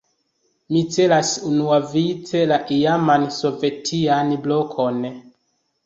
Mi celas unuavice la iaman sovetian "blokon".